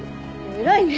偉いね。